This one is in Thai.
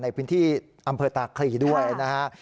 ในพื้นที่อำเภอตาคลีด้วยนะฮะ